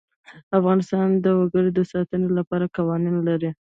افغانستان د وګړي د ساتنې لپاره قوانین لري.